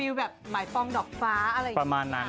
มีแบบไม้ปล้องดอกฟ้าอะไรอย่างงี้